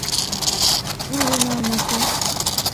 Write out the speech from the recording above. ছাড়ো না আমাকে!